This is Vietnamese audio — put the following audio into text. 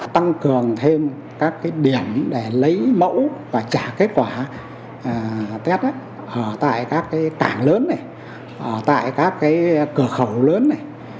tăng cường thêm các điểm để lấy mẫu và trả kết quả test ở tại các cảng lớn này tại các cửa khẩu lớn này